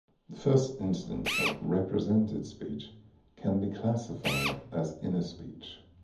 The first instance of represented speech can be classified as inner speech.